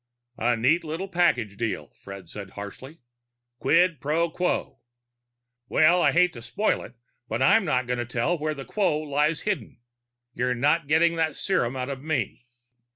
"A neat little package deal," Fred said harshly. "Quid pro quo. Well, I hate to spoil it, but I'm not going to tell where the quo lies hidden. You're not getting that serum out of me."